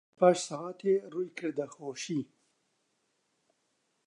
لەپاش سەعاتێ ڕووی کردە خۆشی